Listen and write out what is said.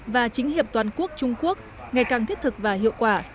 và chính hiệp toàn quốc trung quốc ngày càng thiết thực và hiệu quả